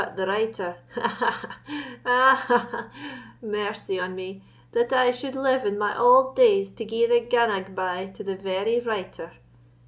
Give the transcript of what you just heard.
But the writer—ha! ha! ha!—ah, ha! ha! ha! mercy on me, that I suld live in my auld days to gie the ganag bye to the very writer!